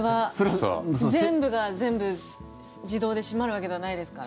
全部が全部、自動で閉まるわけじゃないですから。